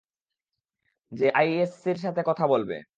সে আইএসসির সাথে কথা বলবে।